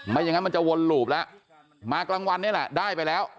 ไม่อย่างนั้นมันจะวนหลูบแล้วมากลางวันนี่แหละได้ไปแล้ว